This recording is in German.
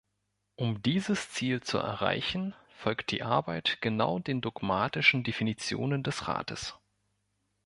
Um dieses Ziel zu erreichen, folgt die Arbeit genau den dogmatischen Definitionen des Rates.